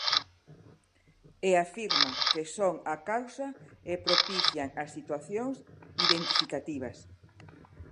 E afirma que son a causa e propician as situacións identificativas.